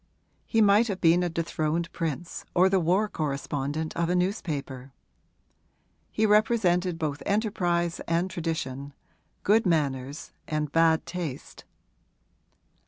He might have been a dethroned prince or the war correspondent of a newspaper: he represented both enterprise and tradition, good manners and bad taste.